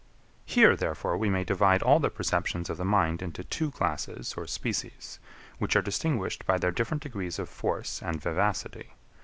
12. Here therefore we may divide all the perceptions of the mind into two classes or species, which are distinguished by their different degrees of force and vivacity.